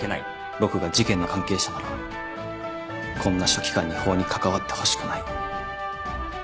僕が事件の関係者ならこんな書記官に法に関わってほしくない。